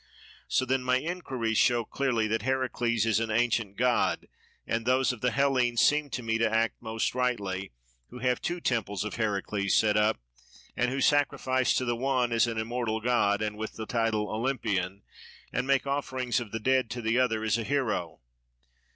So then my inquiries show clearly that Heracles is an ancient god, and those of the Hellenes seem to me to act most rightly who have two temples of Heracles set up, and who sacrifice to the one as an immortal god and with the title Olympian, and make offerings of the dead to the other as a hero.